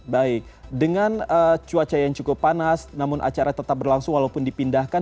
baik dengan cuaca yang cukup panas namun acara tetap berlangsung walaupun dipindahkan